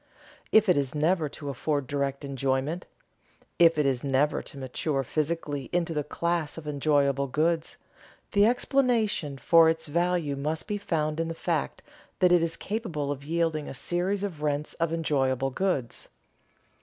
If it is never to afford direct enjoyment, if it is never to mature physically into the class of enjoyable goods, the explanation for its value must be found in the fact that it is capable of yielding a series of rents of enjoyable goods.